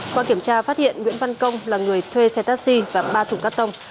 qua kiểm tra phát hiện nguyễn văn công là người thuê xe taxi và ba thùng cắt tông